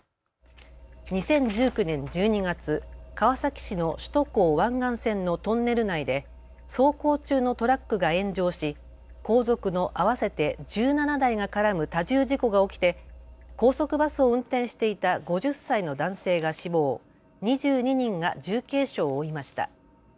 ２０１９年１２月、川崎市の首都高・湾岸線のトンネル内で走行中のトラックが炎上し後続の合わせて１７台が絡む多重事故が起きて高速バスを運転していた５０歳の男性が死亡、２２人が重軽傷を負いました。